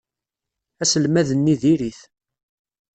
Aselmad-nni diri-t.